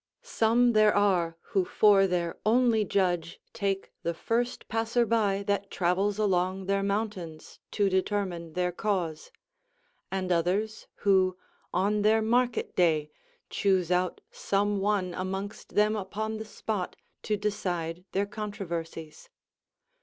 Some there are, who for their only judge take the first passer by that travels along their mountains, to determine their cause; and others who, on their market day, choose out some one amongst them upon the spot to decide their controversies.